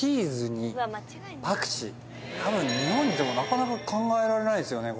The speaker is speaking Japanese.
たぶん日本にいてもなかなか考えられないですよね